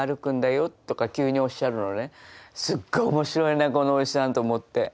すっごい面白いなこのおじさんと思って。